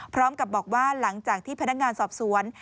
พร้อมกับบอกว่าหลังจากที่พนักงานสอบสวน